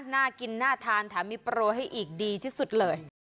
น่ากินน่าทานแถมมีโปรให้อีกดีที่สุดเลย